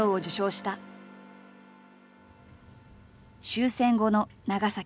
終戦後の長崎。